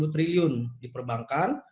dua puluh triliun di perbankan